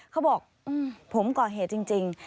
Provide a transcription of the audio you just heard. เขาบอกผมก่อเหตุจริง